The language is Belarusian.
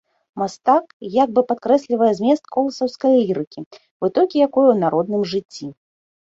Мастак як бы падкрэслівае змест коласаўскай лірыкі, вытокі якой у народным жыцці.